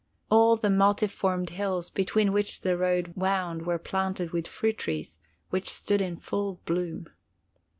All the multiformed hills between which the road wound were planted with fruit trees, which stood in full bloom.